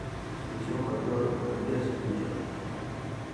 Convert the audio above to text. Gizon jatorra, handia zen Bittor.